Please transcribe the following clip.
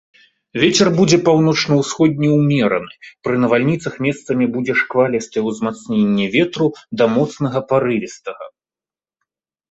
Вецер будзе паўночна-ўсходні ўмераны, пры навальніцах месцамі будзе шквалістае ўзмацненне ветру да моцнага парывістага.